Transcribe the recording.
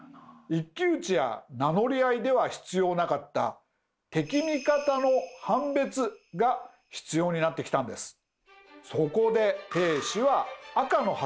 一騎打ちや名乗り合いでは必要なかった敵・味方の判別が必要になってきたんです。